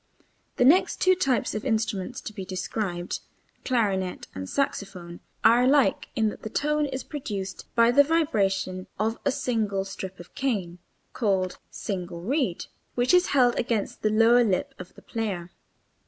The next two types of instruments to be described (clarinet and saxophone) are alike in that the tone is produced by the vibration of a single strip of cane (called single reed) which is held against the lower lip of the player.